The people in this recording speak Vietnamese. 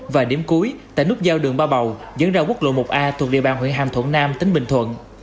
và điểm cuối tại nút giao đường ba bầu diễn ra quốc lộ một a thuộc địa bàn huyện hàm thuận nam tỉnh bình thuận